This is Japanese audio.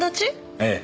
ええ。